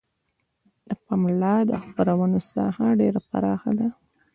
د پملا د خپرونو ساحه ډیره پراخه ده.